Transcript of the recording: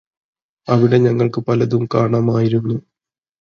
അവിടെ ഞങ്ങള്ക്ക് പലതും കാണാമായിരുന്നു